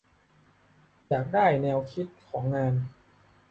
อยากได้แนวคิดของงาน